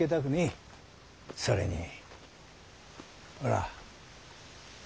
それにほら。